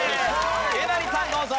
えなりさんどうぞ。